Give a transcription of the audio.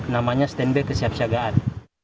namanya stand by kesiapsiagaan